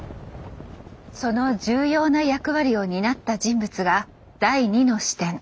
その重要な役割を担った人物が第２の視点。